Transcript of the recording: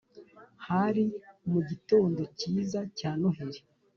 hari mu gitond cyiza cya noheli